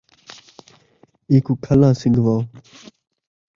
اینکوں کھَلا سنگھاؤ